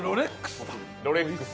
ロレックス。